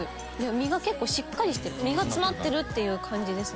身が結構しっかりしてる身が詰まってるっていう感じです。